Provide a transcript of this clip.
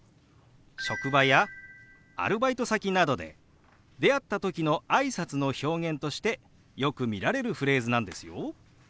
職場やアルバイト先などで出会った時のあいさつの表現としてよく見られるフレーズなんですよ。